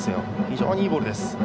非常にいいボールです。